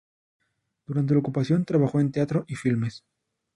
Durante la ocupación trabajo en teatro y filmes.